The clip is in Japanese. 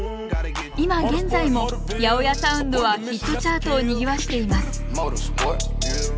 今現在も８０８サウンドはヒットチャートをにぎわしています